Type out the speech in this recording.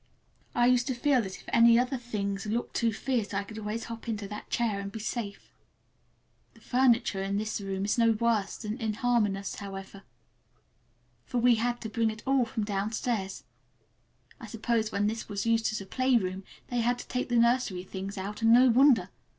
I used to feel that if any of the other things looked too fierce I could always hop into that chair and be safe. The furniture in this room is no worse than inharmonious, however, for we had to bring it all from downstairs. I suppose when this was used as a playroom they had to take the nursery things out, and no wonder!